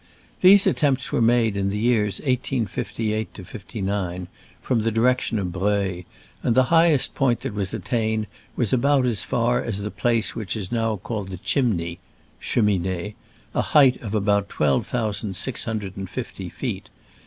These at tempts were made in the years 1858 59, from the direction of Breuil, and the highest point that was attained was about as far as the place which is now called the "Chimney (cheminee), a height of about twelve thousand six hundred and fifty feet.